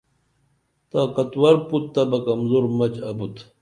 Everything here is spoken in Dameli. طاقتور پُت تہ بہ کمزرو مچ ابُت